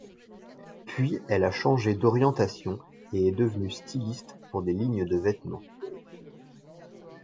Puis elle a changé d’orientation et est devenue styliste pour des lignes de vêtements.